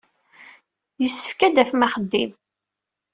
Yessefk ad d-tafem axeddim.